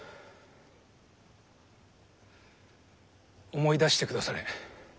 思い出してくだされ。